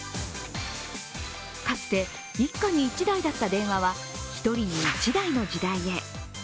かつて一家に一台だった電話は１人に一台の時代へ。